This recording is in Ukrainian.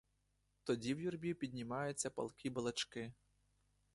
Тоді в юрбі піднімаються палкі балачки.